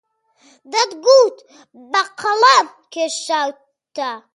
دەتگوت بە قەڵەم کێشاوتە